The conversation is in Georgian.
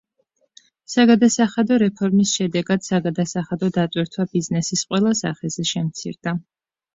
საგადასახადო რეფორმის შედეგად, საგადასახადო დატვირთვა ბიზნესის ყველა სახეზე შემცირდა.